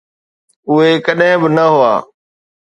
اهي ڪڏهن به نه هئا.